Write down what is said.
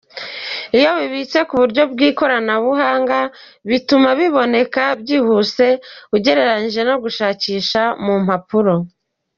iyo bibitse mu buryo bw’ikoranabuhanga bituma biboneka byihuse ugereranyije no gushakisha mu mpapuro.